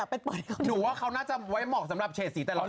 หนูว่าเขาน่าจะไว้เหมาะสำหรับเฉดสีแต่ละ